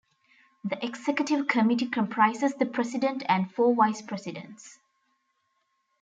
The Executive Committee comprises the President and four Vice-Presidents.